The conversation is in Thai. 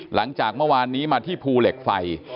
หลังจากเมื่อวานนี้มาที่ภูเหล็กไฟ